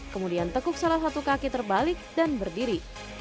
kemudian tekuk salah satu kaki terbalik dan berdiri